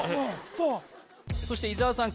そうそして伊沢さん